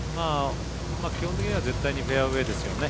基本的には絶対にフェアウエーですよね。